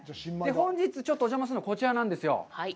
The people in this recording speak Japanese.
本日ちょっとお邪魔するのは、こちらなんですよ。